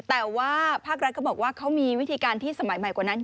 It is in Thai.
แต่ว่าภาครัฐก็บอกว่าเขามีวิธีการที่สมัยใหม่กว่านั้น